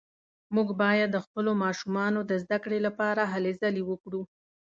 موږ باید د خپلو ماشومانو د زده کړې لپاره هلې ځلې وکړو